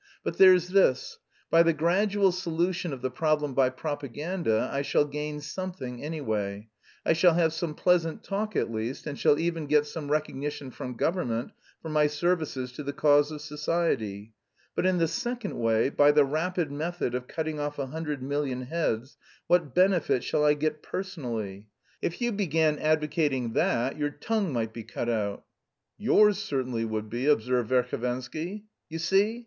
But there's this: by the gradual solution of the problem by propaganda I shall gain something, anyway I shall have some pleasant talk, at least, and shall even get some recognition from government for my services to the cause of society. But in the second way, by the rapid method of cutting off a hundred million heads, what benefit shall I get personally? If you began advocating that, your tongue might be cut out." "Yours certainly would be," observed Verhovensky. "You see.